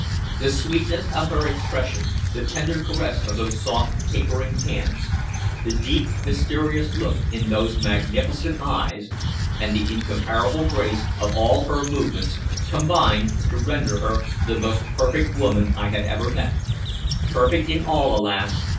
The sweetness of her expression, the tender caress of those soft, tapering hands, the deep mysterious look in those magnificent eyes, and the incomparable grace of all her movements, combined to render her the most perfect woman I had ever met perfect in all, alas!